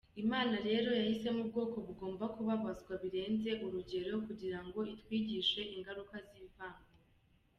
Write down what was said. Imana rero yahisemo ubwoko bugomba kubabazwa birenze urugero, kugira ngo itwigishe ingaruka z’ivangura.